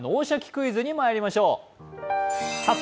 クイズ」にまいりましょう。